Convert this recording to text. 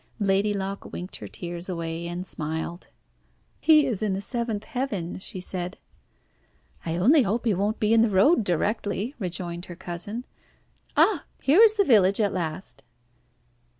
Lady Locke winked her tears away, and smiled. "He is in the seventh heaven," she said. "I only hope he won't be in the road directly," rejoined her cousin. "Ah! here is the village at last."